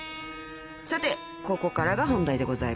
［さてここからが本題でございます］